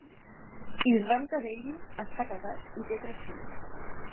Irranca-Davies està casat i té tres fills.